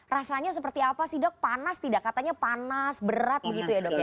rasanya seperti apa sih dok panas tidak katanya panas berat begitu ya dok ya